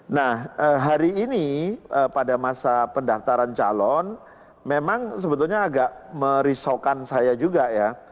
nah hari ini pada masa pendaftaran calon memang sebetulnya agak merisaukan saya juga ya